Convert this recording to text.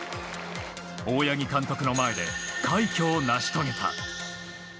大八木監督の前で快挙を成し遂げた。